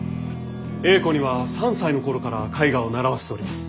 英子には３歳の頃から絵画を習わせております。